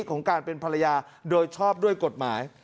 ของการเป็นภรรยาโดยชอบด้วยกฎหมาย